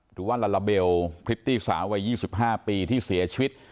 หรือว่าลาลาเบลพริตตี้สาววัย๒๕ปีที่เสียชีวิต